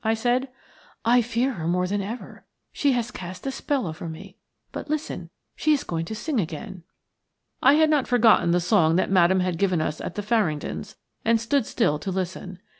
I said. "I fear her more than ever. She has cast a spell over me. But listen, she is going to sing again." I had not forgotten the song that Madame had given us at the Farringdons', and stood still to listen.